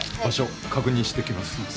場所確認してきます。